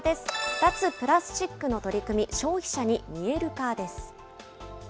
脱プラスチックの取り組み、消費者に見える化です。